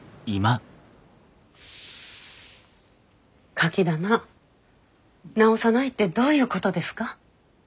カキ棚直さないってどういうことですか？